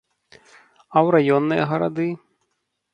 А ў раённыя гарады?